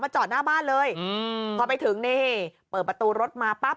จอดหน้าบ้านเลยอืมพอไปถึงนี่เปิดประตูรถมาปั๊บ